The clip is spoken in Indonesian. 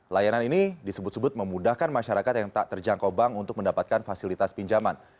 layanan ini disebut sebut memudahkan masyarakat yang tak terjangkau bank untuk mendapatkan fasilitas pinjaman